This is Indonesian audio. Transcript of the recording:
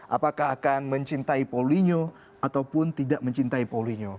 apakah akan mencintai paulinho ataupun tidak mencintai paulinho